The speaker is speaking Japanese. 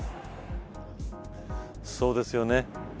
そうですよね。